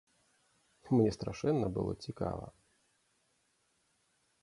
Мне страшэнна было цікава.